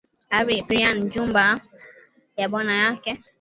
Ari piana nyumba ya bwana yake